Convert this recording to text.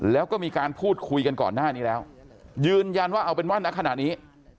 แล้วก็มีการพูดคุยกันก่อนหน้านี้แล้วยืนยันว่าเอาเป็นว่าณขณะนี้